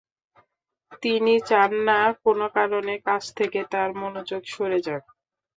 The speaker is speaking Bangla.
তিনি চান না, কোনো কারণে কাজ থেকে তাঁর মনোযোগ দূরে সরে যাক।